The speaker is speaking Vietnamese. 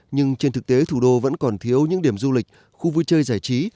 nhưng trên thực tế thủ đô vẫn còn thiếu những điểm du lịch khu vui chơi giải trí